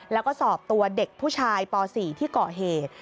แล้วก็สอบตัวเด็กผู้ชายป๔ที่ก่อเหตุ